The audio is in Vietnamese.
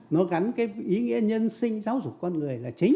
nó gắn cái ý nghĩa nhân sinh giáo dục con người là chính